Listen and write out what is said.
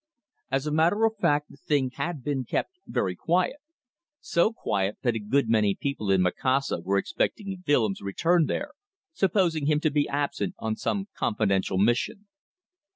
As a matter of fact the thing had been kept very quiet so quiet that a good many people in Macassar were expecting Willems' return there, supposing him to be absent on some confidential mission.